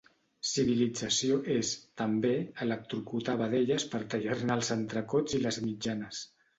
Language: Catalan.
Civilització és, també, electrocutar vedelles per tallar-ne els entrecots i les mitjanes.